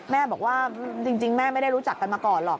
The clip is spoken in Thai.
แม่บอกว่าจริงแม่ไม่ได้รู้จักกันมาก่อนหรอก